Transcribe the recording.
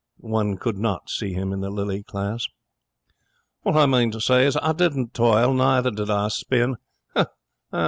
One could not see him in the lily class. 'What I mean to say is, I didn't toil, neither did I spin.